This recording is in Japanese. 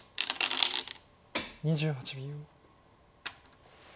２８秒。